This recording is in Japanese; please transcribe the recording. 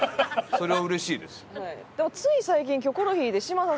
それはうれしいです。